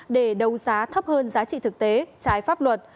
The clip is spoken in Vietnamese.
để đấu giá thấp hơn giá trị thực tế trái pháp luật